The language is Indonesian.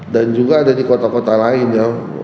dan juga ada di kota kota lainnya